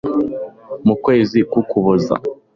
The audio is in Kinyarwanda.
mu kwezi k ukuboza